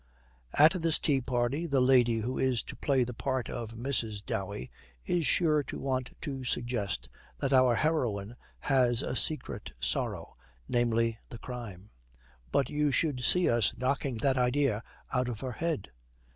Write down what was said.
At this tea party the lady who is to play the part of Mrs. Dowey is sure to want to suggest that our heroine has a secret sorrow, namely, the crime; but you should see us knocking that idea out of her head!